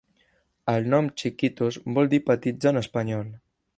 El nom Chiquitos vol dir petits en espanyol.